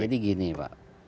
jadi gini pak